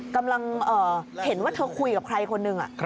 กำลังเห็นว่าเธอคุยกับใครคนหนึ่ง